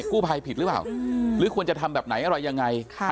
ภัยผิดหรือเปล่าหรือควรจะทำแบบไหนอะไรยังไง